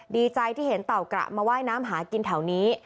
ดีใจที่เห็นเต่ากระมาว่ายน้ำหากินแถวนี้